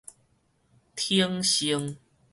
寵溺